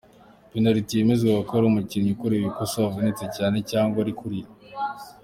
Penaliti yemezwaga ari uko umukinnyi ukorewe ikosa avunitse cyane, cyangwa ari kurira.